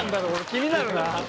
気になるな」